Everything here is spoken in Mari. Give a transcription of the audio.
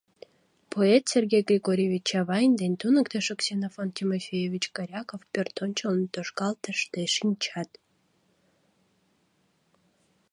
Поэт Сергей Григорьевич Чавайн ден туныктышо Ксенофонт Тимофеевич Коряков пӧртӧнчыл тошкалтыште шинчат.